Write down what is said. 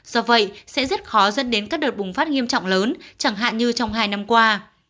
do vậy sẽ rất khó dẫn đến các đợt bùng phát nghiêm trọng lớn chẳng hạn như trong hai năm qua